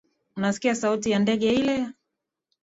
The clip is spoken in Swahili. Unasikia sauti ya ndege ile?